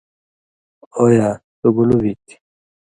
”او یا تُو گُلُو بی تھی“